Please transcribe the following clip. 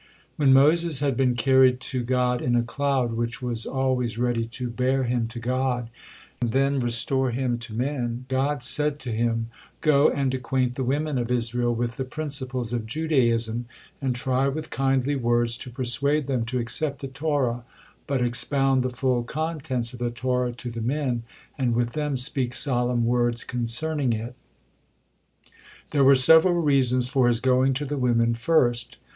When Moses had been carried to God in a cloud, which was always ready to bear him to God and the restore him to men, God said to him: "Go and acquaint the women of Israel with the principles of Judaism, and try with kindly words to persuade them to accept the Torah; but expound the full contents of the Torah to the men, and with them speak solemn words concerning it." There were several reasons for his going to the women first.